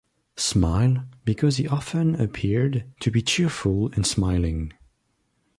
Smile, because he often appeared to be cheerful and smiling.